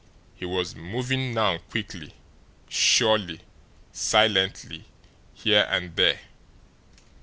He was moving now quickly, surely, silently here and there.